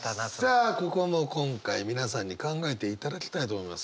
さあここも今回皆さんに考えていただきたいと思います。